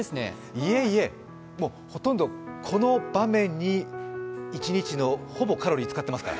いえいえ、ほとんどこの場面に一日のほぼカロリーを使ってますから。